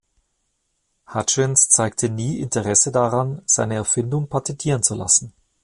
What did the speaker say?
Hutchins zeigte nie Interesse daran, seine Erfindung patentieren zu lassen.